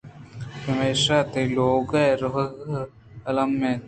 پمیشا تئی لُوہیگ ءَ رَوَگ المّی اِنت